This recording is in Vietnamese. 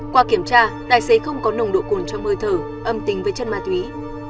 qua kiểm tra tài xế không có nồng độ cồn trong hơi thở âm tính với chất ma túy